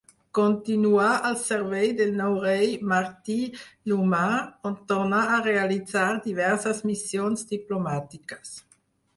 Continuà al servei del nou rei Martí l'Humà, on tornà a realitzar diverses missions diplomàtiques.